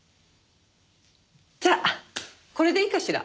じゃあこれでいいかしら？